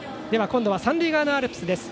今度は三塁側のアルプスです。